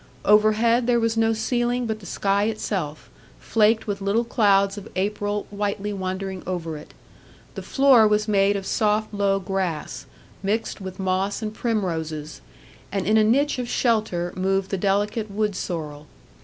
Overhead there was no ceiling but the sky itself, flaked with little clouds of April whitely wandering over it. The floor was made of soft low grass, mixed with moss and primroses; and in a niche of shelter moved the delicate wood sorrel.